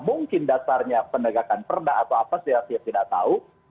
mungkin dasarnya penegakan perda atau apa saya tidak tahu